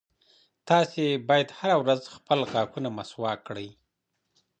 تاسي باید هره ورځ خپل غاښونه مسواک کړئ.